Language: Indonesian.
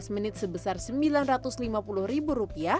lima belas menit sebesar rp sembilan ratus lima puluh